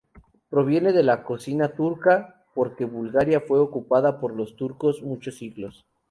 Proviene de la cocina turca, porque Bulgaria fue ocupada por los turcos muchos siglos.